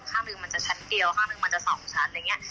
ข้างหนึ่งมันจะชั้นเดียวข้างหนึ่งมันจะ๒ชั้นอะไรอย่างนี้